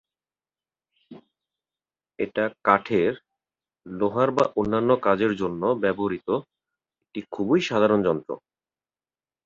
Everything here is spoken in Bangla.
এটা কাঠের, লোহার বা অন্যান্য কাজের জন্য ব্যবহৃত একটি খুবই সাধারণ যন্ত্র।